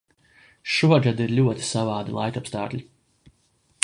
Šogad ir ļoti savādi laikapstākļi.